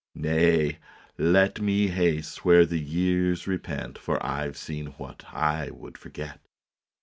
" Nay, let me haste where the years repent, For I ve seen what I would forget."